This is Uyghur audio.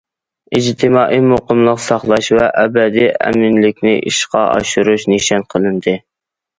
ئىجتىمائىي مۇقىملىق ساقلاش ۋە ئەبەدىي ئەمىنلىكنى ئىشقا ئاشۇرۇش نىشان قىلىندى.